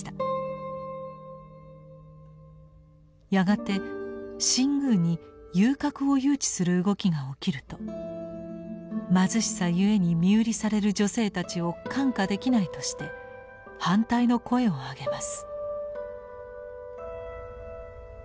やがて新宮に遊郭を誘致する動きが起きると貧しさゆえに身売りされる女性たちを看過できないとして反対の声をあげます。